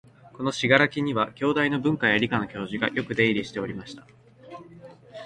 この「信楽」には、京大の文科や理科の教授がよく出入りしておりました